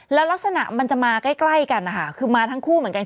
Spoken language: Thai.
แล้วลักษณะมันจะมาใกล้กันนะคะคือมาทั้งคู่เหมือนกัน